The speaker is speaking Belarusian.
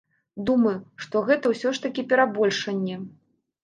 Думаю, што гэта ўсё ж такі перабольшанне.